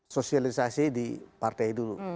sosialisasi di partai itu